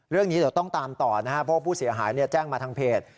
เรื่องนี้เดี๋ยวต้องตามต่อนะครับเพราะผู้เสียหายแจ้งมาทางเพจ